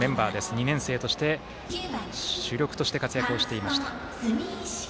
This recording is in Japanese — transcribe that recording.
２年生として、主力として活躍をしていました。